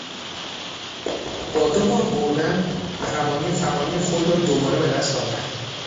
با دوبار بردن مقام قهرمانی خود را دوباره به دست آورد.